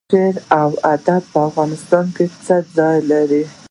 شعر او ادب په افغانستان کې څه ځای لري؟